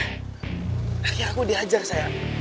lagi aku diajar sayang